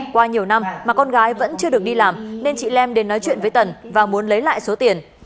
qua nhiều năm mà con gái vẫn chưa được đi làm nên chị lem đến nói chuyện với tần và muốn lấy lại số tiền